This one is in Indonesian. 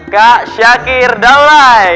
kak syakir daulay